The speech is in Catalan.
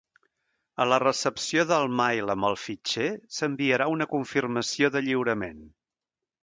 A la recepció del mail amb el fitxer s'enviarà una confirmació de lliurament.